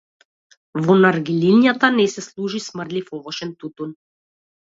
Во наргилињата не се служи смрдлив овошен тутун.